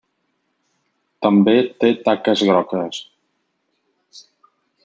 També té taques grogues.